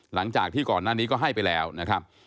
หลังจากที่ก่อนหน้านี้ก็ให้ไปแล้วนะครับ